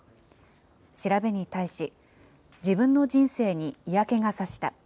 調べに対し、自分の人生に嫌気が差した。